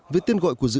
với tên gọi của dự án